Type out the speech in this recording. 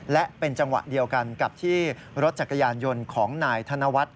และเป็นจังหวะเดียวกันกับที่รถจักรยานยนต์ของนายธนวัฒน์